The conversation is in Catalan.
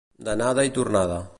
D'anada i tornada.